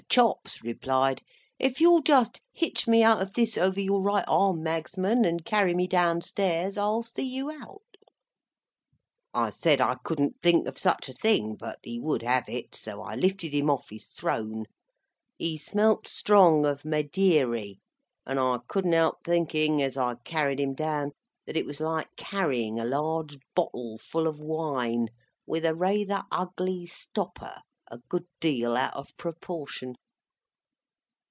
Chops replied, "If you'll just hitch me out of this over your right arm, Magsman, and carry me down stairs, I'll see you out." I said I couldn't think of such a thing, but he would have it, so I lifted him off his throne. He smelt strong of Maideary, and I couldn't help thinking as I carried him down that it was like carrying a large bottle full of wine, with a rayther ugly stopper, a good deal out of proportion.